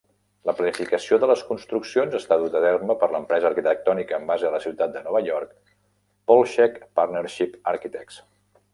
La planificació de les construccions està duta a terme per l'empresa arquitectònica amb base a la ciutat de Nova York Polshek Partnership Architects.